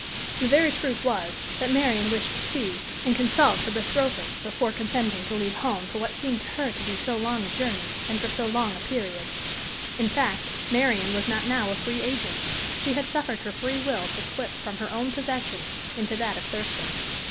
The very truth was, that Marian wished to see and consult her bethrothed before consenting to leave home for what seemed to her to be so long a journey, and for so long a period. In fact, Marian was not now a free agent; she had suffered her free will to slip from her own possession into that of Thurston.